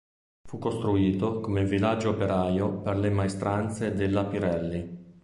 Fu costruito come villaggio operaio per le maestranze della Pirelli.